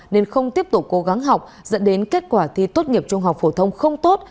nên không tiếp tục cố gắng học dẫn đến kết quả thi tốt nghiệp trung học phổ thông không tốt